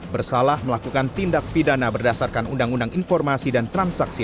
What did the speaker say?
bersalah melakukan tindak pidana berdasarkan undang undang informasi dan transaksi